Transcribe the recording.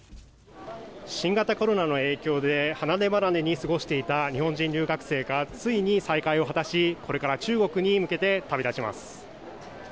新型コロナの影響で離ればなれに過ごしていた日本人留学生がついに再会を果たし、これから中国に向けて旅立ちます。